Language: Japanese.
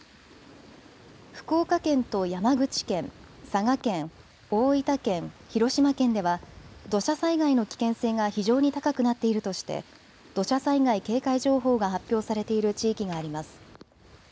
福岡県と山口県、佐賀県、大分県、広島県では土砂災害の危険性が非常に高くなっているとして土砂災害警戒情報が発表されている地域があります。